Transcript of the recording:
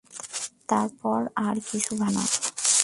তারপর আর কিছু ভাবিও না।